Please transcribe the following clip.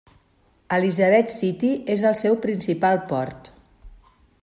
Elizabeth City és el seu principal port.